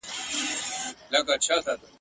تا به یې په روڼو سترګو خیال تر لاس نیولی وي!.